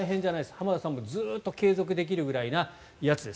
浜田さんもずっと継続できるぐらいなやつです。